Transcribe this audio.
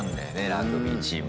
ラグビーチーム。